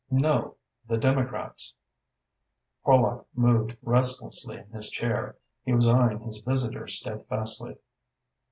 "No, the Democrats." Horlock moved restlessly in his chair. He was eyeing his visitor steadfastly.